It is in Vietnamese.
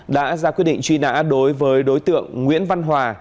đã ra quyết định truy nã đối với đối tượng nguyễn văn hòa